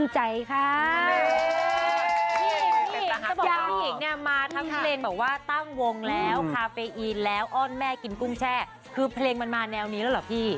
ชวนเราตั้งวงล้านลากันมาเลย